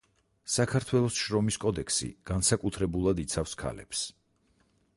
საქართველოს შრომის კოდექსი განსაკუთრებულად იცავს ქალებს.